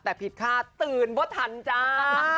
แต่ผิดท่าตื่นไม่ทันจ้า